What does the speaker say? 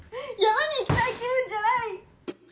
山に行きたい気分じゃない！